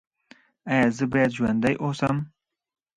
ایا زه باید ژوندی اوسم؟